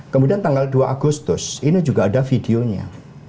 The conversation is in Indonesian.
kemudian tanggal dua agustus ini juga ada videonya